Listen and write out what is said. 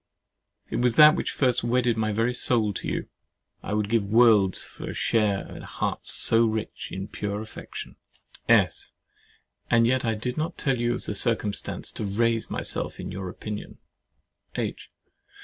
It was that which first wedded my very soul to you. I would give worlds for a share in a heart so rich in pure affection! S. And yet I did not tell you of the circumstance to raise myself in your opinion. H.